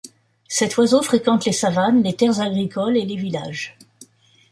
Cet oiseau fréquente les savanes, les terres agricoles et les villages.